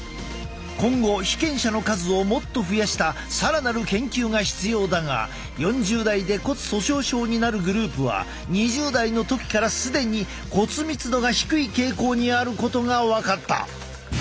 今後被験者の数をもっと増やした更なる研究が必要だが４０代で骨粗しょう症になるグループは２０代の時から既に骨密度が低い傾向にあることが分かった。